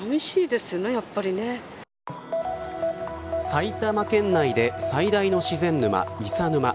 埼玉県内で最大の自然沼伊佐沼。